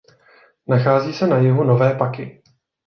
Nachází se na jihu Nové Paky.